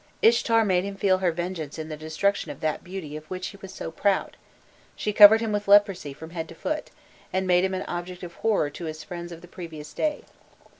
Ishtar made him feel her vengeance in the destruction of that beauty of which he was so proud; she covered him with leprosy from head to foot, and made him an object of horror to his friends of the previous day.